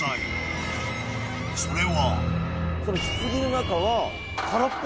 ［それは］